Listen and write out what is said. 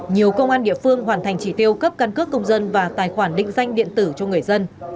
nhiều công an địa phương hoàn thành chỉ tiêu cấp căn cước công dân và tài khoản định danh điện tử cho người dân